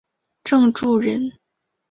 郑注人。